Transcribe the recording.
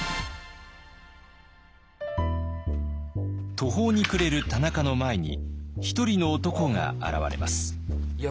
途方に暮れる田中の前に一人の男が現れます。